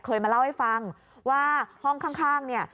เคยมาเล่าให้ฟังว่าห้องข้างเนี่ย